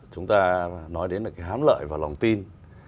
chúng ta nói đến là cái hám lợi và lòng tin